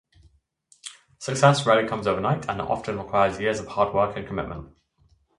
Success rarely comes overnight, and it often requires years of hard work and commitment.